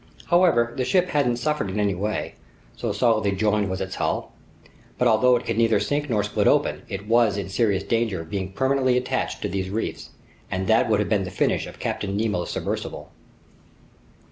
However, the ship hadn't suffered in any way, so solidly joined was its hull. But although it could neither sink nor split open, it was in serious danger of being permanently attached to these reefs, and that would have been the finish of Captain Nemo's submersible.